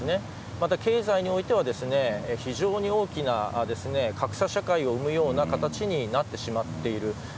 また、経済においては非常に大きな格差社会を生むような形になってしまっている。